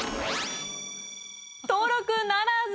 登録ならず！